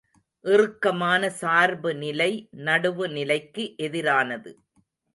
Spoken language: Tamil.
இறுக்கமான சார்பு நிலை நடுவு நிலைக்கு எதிரானது.